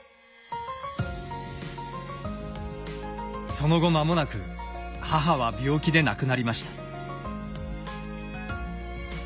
その後間もなく母は病気で亡くなりました。